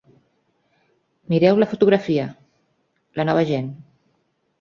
Mireu la fotografia, La nova gent.